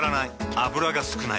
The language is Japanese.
油が少ない。